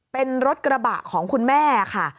เป็นรถกระบะของคุณแม่ค่ะ